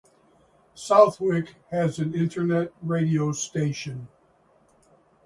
Southwick has an Internet Radio station.